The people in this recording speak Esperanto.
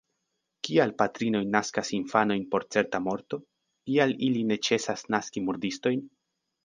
Kial patrinoj naskas infanojn por certa morto? Kial ili ne ĉesas naski murdistojn?